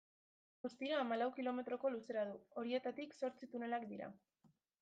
Guztira hamalau kilometroko luzera du, horietatik zortzi tunelak dira.